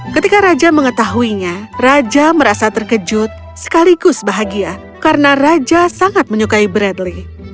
ketika raja mengetahuinya raja merasa terkejut sekaligus bahagia karena raja sangat menyukai bradley